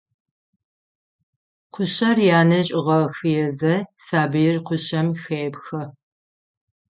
Кушъэр янэжъ ыгъэхъыезэ, сабыир кушъэм хепхэ.